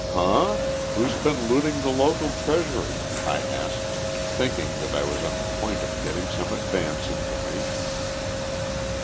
"Huh? Who's been looting the local treasury?" I asked, thinking that I was on the point of getting some advance information.